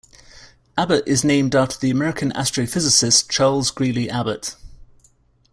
Abbot is named after the American astrophysicist Charles Greeley Abbot.